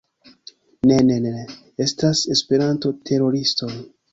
Ne, ne, ne, ne estas Esperanto-teroristoj